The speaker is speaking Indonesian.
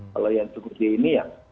kalau yang cukup gini ya